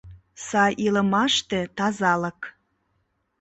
Сай илымаште — тазалык